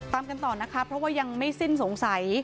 ตามกันต่อนะคะเพราะว่ายังไม่สิ้นสงสัย